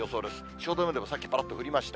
汐留でもさっきぱらっと降りました。